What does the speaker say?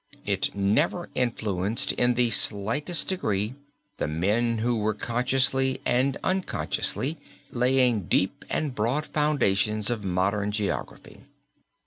It never influenced in the slightest degree the men who were consciously and unconsciously laying deep and broad the foundations of modern geography.